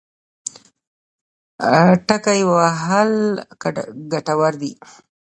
ټکی وهل ګټور دی.